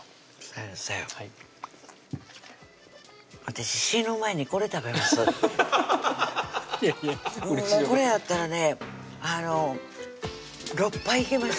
いやいやこれやったらね６杯いけます